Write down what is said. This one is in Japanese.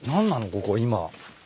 ここ今。